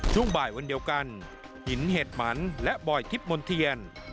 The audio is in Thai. ช่วงบ่ายวันเดียวกันหินเห็ดหมันและบอยทิพย์มนเทียน